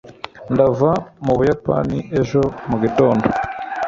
ndava mu buyapani ejo mu gitondo